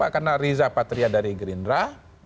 karena riza patria dari gerindra